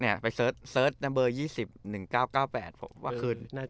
เนี่ยไปเสิร์ชเสิร์ชในเบอร์ยี่สิบ๑๙๙๘ว่าคืน